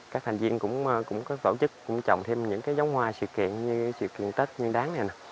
các thành viên cũng có tổ chức trồng thêm những giống hoa sự kiện như truyền tết nhân đáng